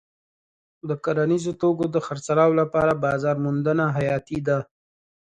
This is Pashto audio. د کرنیزو توکو د خرڅلاو لپاره بازار موندنه حیاتي ده.